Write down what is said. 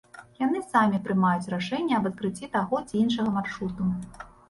Яны самі прымаюць рашэнне аб адкрыцці таго ці іншага маршруту.